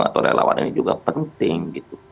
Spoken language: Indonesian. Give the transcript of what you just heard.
atau relawan ini juga penting gitu